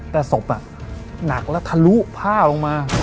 แต่ศพหนักแล้วทะลุผ้าลงมา